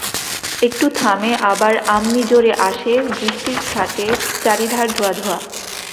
একটু থামে, আবাব আমনি জোরে আসে, বৃষ্টির ছাটে চারিধার ধোঁয়া ধোঁয়া।